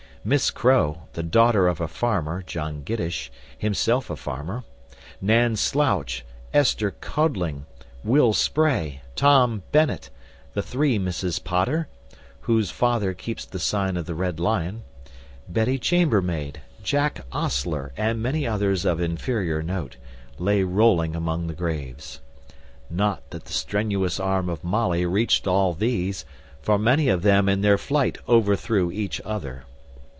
Miss Crow, the daughter of a farmer; John Giddish, himself a farmer; Nan Slouch, Esther Codling, Will Spray, Tom Bennet; the three Misses Potter, whose father keeps the sign of the Red Lion; Betty Chambermaid, Jack Ostler, and many others of inferior note, lay rolling among the graves. Not that the strenuous arm of Molly reached all these; for many of them in their flight overthrew each other.